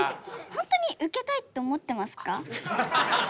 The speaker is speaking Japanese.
本当にウケたいって思ってますか？